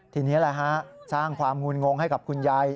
ทีนี้แหละฮะสร้างความงุลงงงให้กับคุณยาย